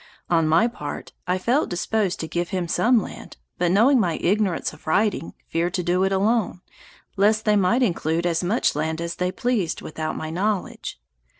On my part, I felt disposed to give him some land, but knowing my ignorance of writing, feared to do it alone, lest they might include as much land they pleased, without my knowledge.